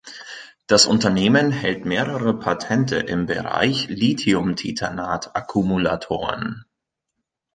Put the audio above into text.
Das Unternehmen hält mehrere Patente im Bereich Lithiumtitanat-Akkumulatoren.